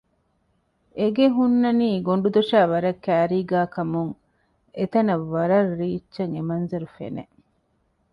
އެ ގެ ހުންނަނީ ގޮނޑުދޮށާ ވަރަށް ކައިރީގައި ކަމުން އެތަނަށް ވަރަށް ރީއްޗަށް އެ މަންޒަރު ފެނެ